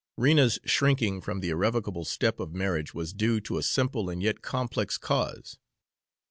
Rena's shrinking from the irrevocable step of marriage was due to a simple and yet complex cause.